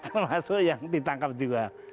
termasuk yang ditangkap juga